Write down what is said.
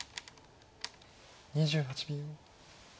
２８秒。